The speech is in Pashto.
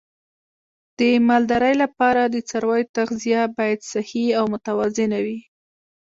د مالدارۍ لپاره د څارویو تغذیه باید صحي او متوازنه وي.